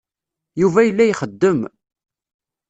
Yuba yella ixeddem.